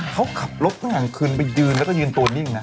เขาขับรถตั้งแต่กลางคืนไปยืนแล้วก็ยืนตัวนิ่งนะ